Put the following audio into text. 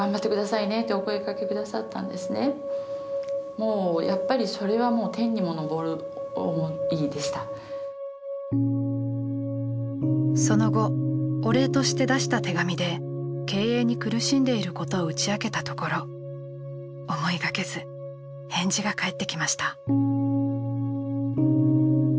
もうやっぱりその後お礼として出した手紙で経営に苦しんでいることを打ち明けたところ思いがけず返事が返ってきました。